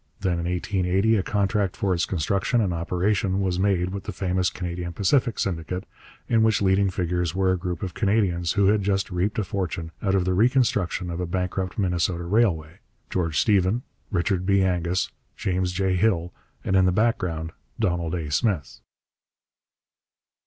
Then in 1880 a contract for its construction and operation was made with the famous Canadian Pacific Syndicate, in which the leading figures were a group of Canadians who had just reaped a fortune out of the reconstruction of a bankrupt Minnesota railway George Stephen, Richard B. Angus, James J. Hill, and in the background, Donald A. Smith.